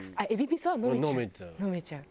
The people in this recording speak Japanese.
飲めちゃう。